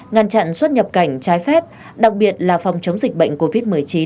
ngăn chặn xuất nhập cảnh trái phép đặc biệt là phòng chống dịch bệnh covid một mươi chín